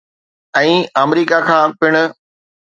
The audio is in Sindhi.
۽ آمريڪا کان پڻ.